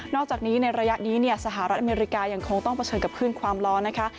อกจากนี้ในระยะนี้เนี่ยสหรัฐอเมริกายังคงต้องเผชิญกับคลื่นความร้อนนะคะ